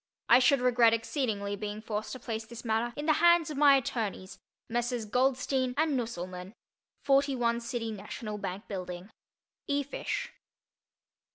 I should regret exceedingly being forced to place this matter in the hands of my attorneys, Messrs. Goldstein and Nusselmann, 41 City Nat'l Bank Bldg. E. FISH.